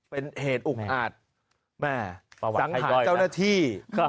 เป็นเหตุอุกอาจแม่สังหารเจ้าหน้าที่